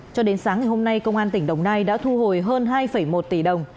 cho đến sáng ngày hôm nay công an tỉnh đồng nai đã thu hồi hơn hai một tỷ đồng